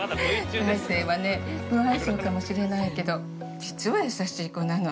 ◆大聖はね、無愛想かもしれないけど実は優しい子なの。